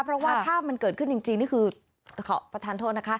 เพราะว่าถ้ามันเกิดขึ้นจริงนี่คือขอประทานโทษนะคะ